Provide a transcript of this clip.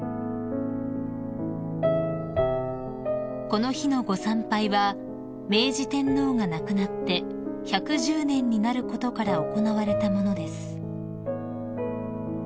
［この日のご参拝は明治天皇が亡くなって１１０年になることから行われたものです］